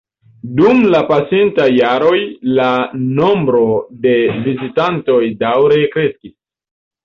Dum la pasintaj jaroj la nombro de vizitantoj daŭre kreskis.